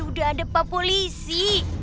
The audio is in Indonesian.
sudah ada pak polisi